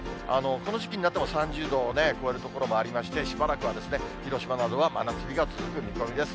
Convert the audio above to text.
この時期になっても３０度を超える所もありまして、しばらくは、広島などは真夏日が続く見込みです。